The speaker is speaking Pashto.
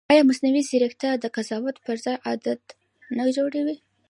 ایا مصنوعي ځیرکتیا د قضاوت پر ځای عادت نه جوړوي؟